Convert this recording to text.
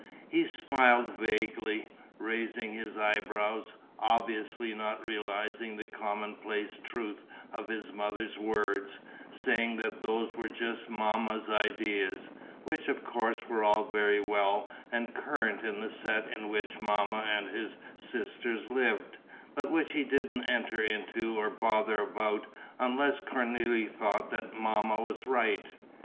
He smiled vaguely, raising his eyebrows, obviously not realizing the commonplace truth of his mother's words, saying that those were just Mamma's ideas, which of course were all very well and current in the set in which Mamma and his sisters lived, but which he didn't enter into or bother about, unless Cornélie thought that Mamma was right.